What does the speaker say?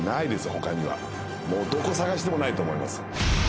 ほかにはもうどこ探してもないと思います